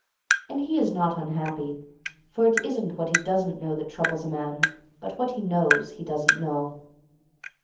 And he is not unhappy, for it isn't what he doesn't know that troubles a man, but what he knows he doesn't know.